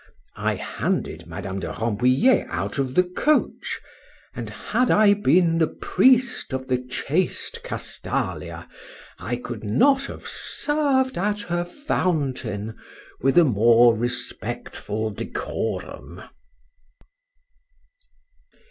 —I handed Madame de Rambouliet out of the coach; and had I been the priest of the chaste Castalia, I could not have served at her fountain with a more respectful decorum.